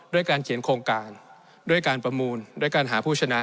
ด้วยการเขียนโครงการด้วยการประมูลด้วยการหาผู้ชนะ